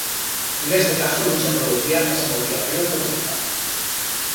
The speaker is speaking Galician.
Neste caso non se producía esa motivación económica.